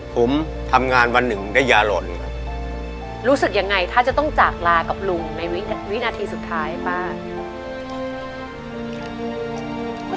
ผมทำงานวันหนึ่งได้ยาหล่นรู้สึกยังไงถ้าจะต้องจากลากับลุงในวินาทีสุดท้ายป้า